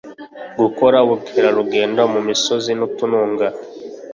gukora ubukerarugendo mu misozi n utununga